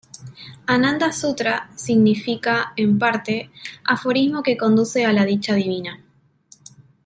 Ananda Sutra significa, en parte, "aforismo que conduce a la Dicha Divina".